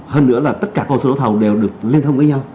hơn nữa là tất cả cộng số lỗ thầu đều được liên thông với nhau